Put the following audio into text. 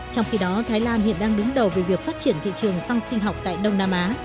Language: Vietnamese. trong khi đó thái lan hiện đang đứng đầu về việc phát triển thị trường xăng sinh học tại đông nam á